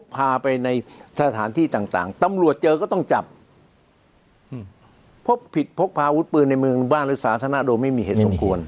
พบผิดพกพาอาวุธปืนในเมืองบ้านหรือศาสนาโดไม่มีเหตุสมควร